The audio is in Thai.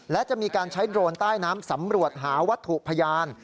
และจะมีการใช้โดรนใต้น้ำสำรวจหาวัตถุพยาน